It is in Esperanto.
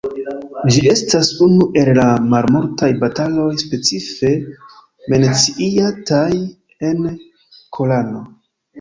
Ĝi estas unu el la malmultaj bataloj specife menciataj en Korano.